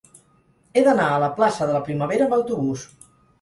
He d'anar a la plaça de la Primavera amb autobús.